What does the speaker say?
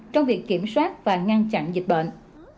trong việc kiểm soát và ngăn chặn dịch bệnh